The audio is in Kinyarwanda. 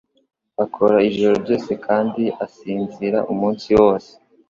Akora ijoro ryose kandi asinzira umunsi wose